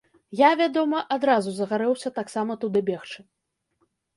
Я, вядома, адразу загарэўся таксама туды бегчы.